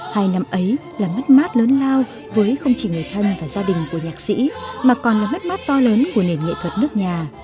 hai năm ấy là mất mát lớn lao với không chỉ người thân và gia đình của nhạc sĩ mà còn là mất mát to lớn của nền nghệ thuật nước nhà